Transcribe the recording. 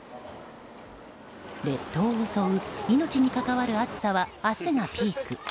列島を襲う、命に関わる暑さは明日がピーク。